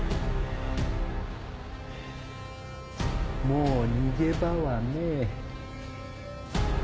もう逃げ場はねえ。